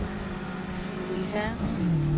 Юғиһә...